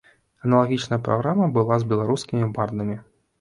Аналагічная праграма была з беларускімі бардамі.